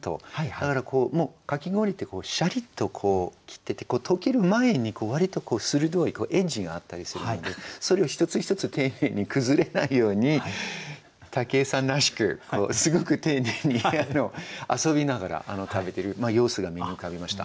だからこうだからもうかき氷ってシャリッと切っていってとける前に割と鋭いエッジがあったりするんでそれを一つ一つ丁寧に崩れないように武井さんらしくすごく丁寧に遊びながら食べている様子が目に浮かびました。